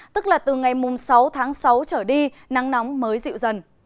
tức là từ ngày sáu tháng sáu trở đi nắng nóng mới dịu dần